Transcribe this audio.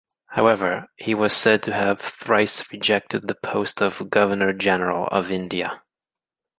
However, he was said to have thrice rejected the post of Governor-General of India.